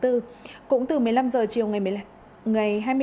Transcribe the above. cũng từ một mươi năm giờ chiều ngày một mươi năm tháng bốn